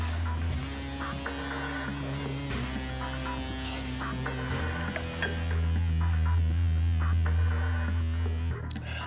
itu bisa efektif